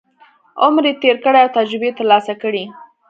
عمر یې تېر کړی او تجربې یې ترلاسه کړي.